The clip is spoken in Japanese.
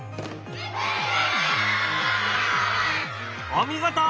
お見事！